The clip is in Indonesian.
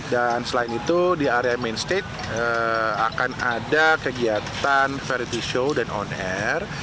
dan selain itu di area main stage akan ada kegiatan variety show dan on air